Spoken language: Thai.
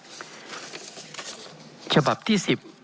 เป็นของสมาชิกสภาพภูมิแทนรัฐรนดร